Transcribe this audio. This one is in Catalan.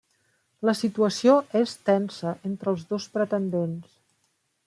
La situació és tensa entre els dos pretendents.